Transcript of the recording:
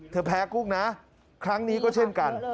แพ้กุ้งนะครั้งนี้ก็เช่นกัน